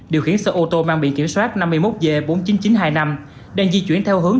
điều khiển sở ô tô mang biện kiểm soát năm mươi một g bốn mươi chín nghìn chín trăm hai mươi năm đang di chuyển theo hướng